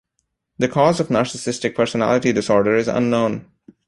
The cause of narcissistic personality disorder is unknown.